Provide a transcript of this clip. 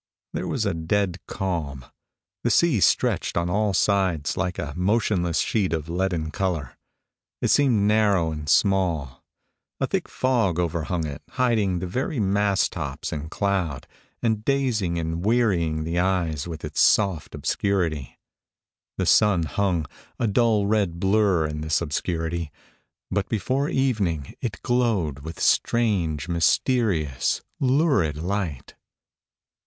There was a dead calm. The sea stretched on all sides like a motionless sheet of leaden colour. It seemed narrowed and small ; a thick fog overhung it, hiding the very mast tops in 317 POEMS IN PROSE cloud, and dazing and wearying the eyes with its soft obscurity. The sun hung, a dull red blur in this obscurity ; but before evening it glowed with strange, mysterious, lurid light.